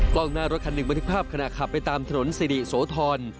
กล้องหน้ารถคันหนึ่งบันทึกภาพขณะขับไปตามถนนสิริโสธร